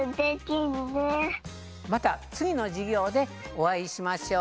またつぎのじゅぎょうでおあいしましょう！